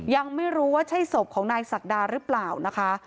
ยังไม่รู้ว่าใช่ศพของนายศักดาหรือเปล่านะคะ